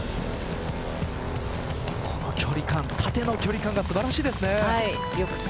この距離感縦の距離感が素晴らしいですね。